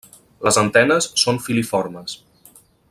Les antenes són filiformes.